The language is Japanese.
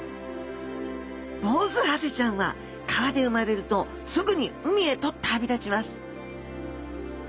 ボウズハゼちゃんは川で生まれるとすぐに海へと旅立ちます